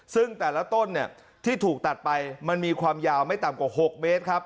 ซึ่งแต่ละต้นเนี่ยที่ถูกตัดไปมันมีความยาวไม่ต่ำกว่า๖เมตรครับ